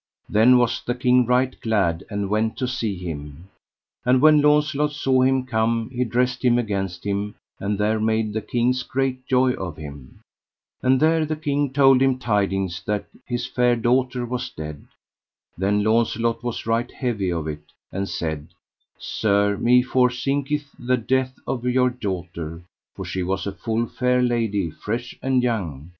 Then was the king right glad, and went to see him. And when Launcelot saw him come he dressed him against him, and there made the king great joy of him. And there the king told him tidings that his fair daughter was dead. Then Launcelot was right heavy of it, and said: Sir, me forthinketh the death of your daughter, for she was a full fair lady, fresh and young.